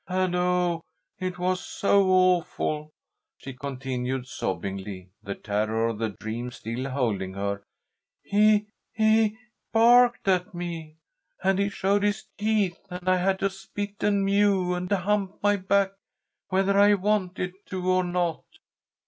And, oh, it was so awful," she continued, sobbingly, the terror of the dream still holding her, "he he barked at me! And he showed his teeth, and I had to spit and mew and hump my back whether I wanted to or not."